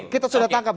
kita sudah tangkap